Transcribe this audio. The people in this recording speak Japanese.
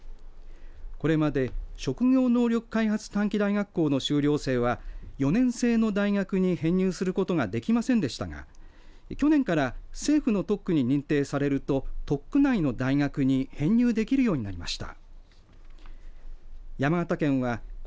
これまで職業開発短期大学の修了生は去年３大学に編入することができませんでしたが去年から政府の特区に認定されると都区内の大学に編入できるようになりました。